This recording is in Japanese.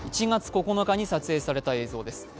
１月９日に撮影された映像です。